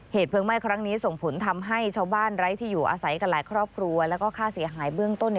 เพลิงไหม้ครั้งนี้ส่งผลทำให้ชาวบ้านไร้ที่อยู่อาศัยกันหลายครอบครัวแล้วก็ค่าเสียหายเบื้องต้นเนี่ย